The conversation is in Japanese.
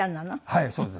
はいそうです。